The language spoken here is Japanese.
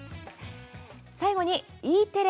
最後にＥテレ